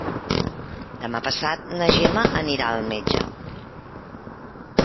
Demà passat na Gemma anirà al metge.